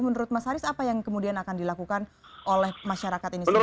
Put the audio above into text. menurut mas haris apa yang kemudian akan dilakukan oleh masyarakat ini sendiri